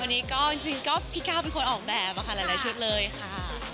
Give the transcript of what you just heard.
วันนี้ก็จริงก็พี่ก้าวเป็นคนออกแบบค่ะหลายชุดเลยค่ะ